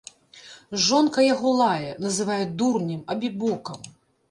Жонка яго лае, называе дурнем, абібокам.